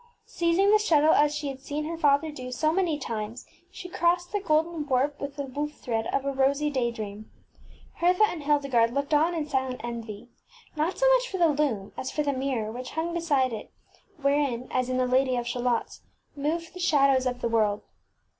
ŌĆÖ Seizing the shuttle as she had seen her father do so many times she crossed the golden warp with the woof thread of a rosy Utim Mlrabrrai day dream. Hertha and Hildegarde looked on in silent envy, not so much for the loom as for the mirror which hung be side it, wherein, as in the Lady of ShalottŌĆÖs, moved the shadows of the world.